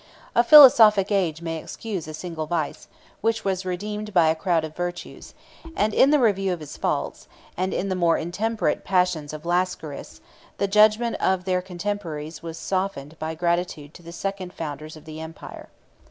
A philosophic age may excuse a single vice, which was redeemed by a crowd of virtues; and in the review of his faults, and the more intemperate passions of Lascaris, the judgment of their contemporaries was softened by gratitude to the second founders of the empire.